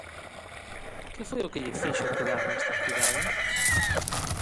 Que foi o que lle fixo quedar nesta cidade?